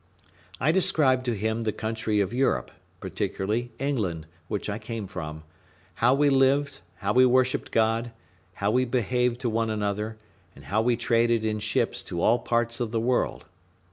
I described to him the country of Europe, particularly England, which I came from; how we lived, how we worshipped God, how we behaved to one another, and how we traded in ships to all parts of the world.